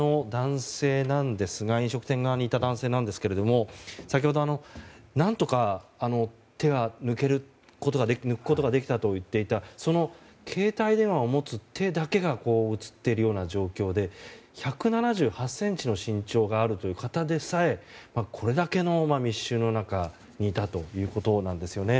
飲食店側にいた男性なんですが先ほど、何とか手を抜くことができたと言っていたその携帯電話を持つ手だけが映っている状況で１７８ｃｍの身長があるという方でさえこれだけの密集の中にいたということなんですよね。